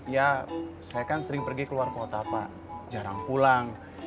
ya saya kan sering pergi keluar kota pak jarang pulang